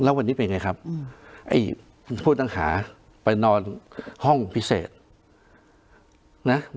แล้ววันนี้เป็นไงครับไอ้ผู้ต้องหาไปนอนห้องพิเศษนะ